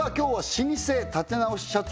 老舗立て直し社長